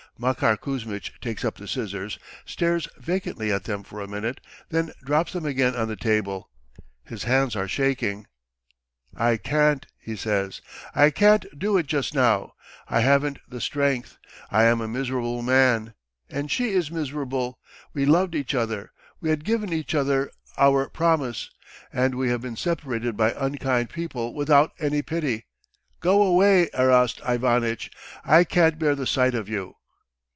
Makar Kuzmitch takes up the scissors, stares vacantly at them for a minute, then drops them again on the table. His hands are shaking. "I can't," he says. "I can't do it just now. I haven't the strength! I am a miserable man! And she is miserable! We loved each other, we had given each other our promise and we have been separated by unkind people without any pity. Go away, Erast Ivanitch! I can't bear the sight of you."